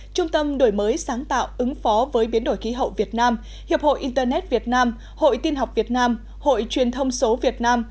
trung tâm đổi mới sáng tạo ứng phó với biến đổi khí hậu việt nam hiệp hội internet việt nam hội tin học việt nam hội truyền thông số việt nam